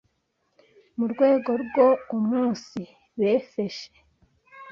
mu rwego rwo umunsibefeshe